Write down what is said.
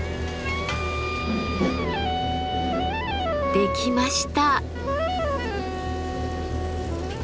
できました。